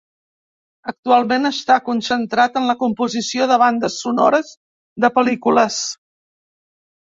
Actualment està concentrat en la composició de bandes sonores de pel·lícules.